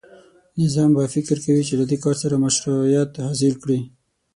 نظام به فکر کوي چې له دې کار سره مشروعیت حاصل کړي.